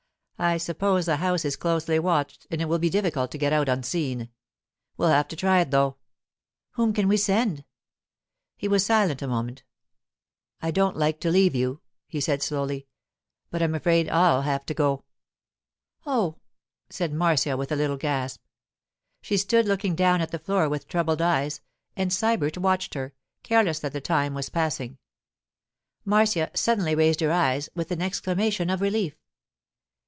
'I suppose the house is closely watched, and it will be difficult to get out unseen. We'll have to try it, though.' 'Whom can we send?' He was silent a moment. 'I don't like to leave you,' he said slowly, 'but I'm afraid I'll have to go.' 'Oh!' said Marcia, with a little gasp. She stood looking down at the floor with troubled eyes, and Sybert watched her, careless that the time was passing. Marcia suddenly raised her eyes, with an exclamation of relief.